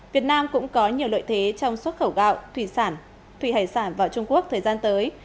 việt nam cũng có nhiều lợi thế trong xuất khẩu gạo thủy sản thủy hải sản vào trung quốc thời gian tới